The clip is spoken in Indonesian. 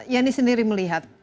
yeni sendiri melihat